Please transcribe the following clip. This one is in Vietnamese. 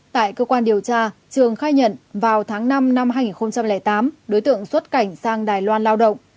tại cơ quan điều tra trường khai nhận vào tháng năm năm hai nghìn tám đối tượng xuất cảnh sang đài loan lao động